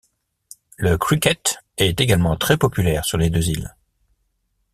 Le cricket est également très populaire sur les deux îles.